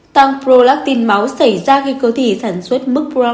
tăng prolactin máu xảy ra khi cơ thể sản xuất mức prolactin